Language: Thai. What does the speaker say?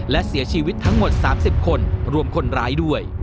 และเสียชีวิตทั้งหมด๓๐คนรวมคนร้ายด้วย